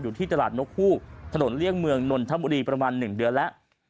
ที่ตลาดนกฮูกถนนเลี่ยงเมืองนนทบุรีประมาณ๑เดือนแล้ว